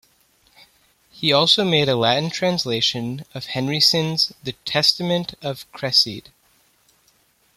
He also made a Latin translation of Henryson's "The Testament of Cresseid".